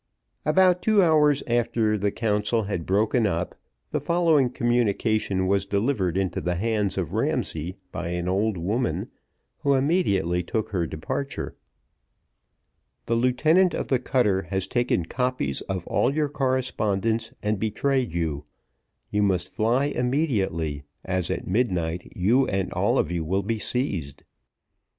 About two hours after the council had broken up, the following communication was delivered into the hands of Ramsay by an old woman, who immediately took her departure. "The lieutenant of the cutter has taken copies of all your correspondence and betrayed you. You must fly immediately, as at midnight you and all of you will be seized.